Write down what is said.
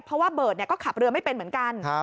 เพราะว่าเบิร์ตก็ขับเรือไม่เป็นเหมือนกัน